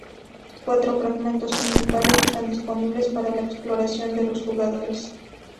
Cuatro fragmentos principales están disponibles para la exploración de los jugadores.